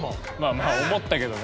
まあ思ったけどね。